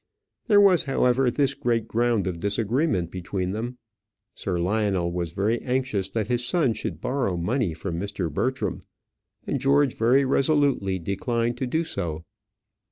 There was, however, this great ground of disagreement between them. Sir Lionel was very anxious that his son should borrow money from Mr. Bertram, and George very resolutely declined to do so.